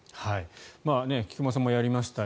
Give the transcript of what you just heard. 菊間さんもやりました。